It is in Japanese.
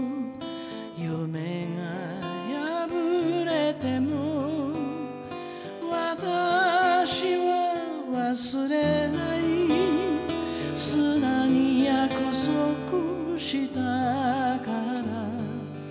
「夢が破れても」「わたしは忘れない」「砂に約束したから」